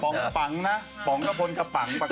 ปองปังหระปองพรกะพรค่ะปังประคัต